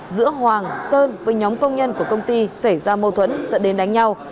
giữa hoàng sơn với nhóm công nhân của công ty xảy ra mâu thuẫn dẫn đến đánh nhau